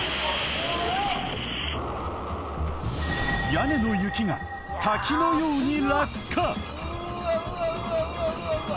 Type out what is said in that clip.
屋根の雪が滝のように落下